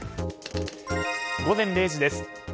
午前０時です。